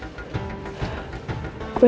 jangan panik ya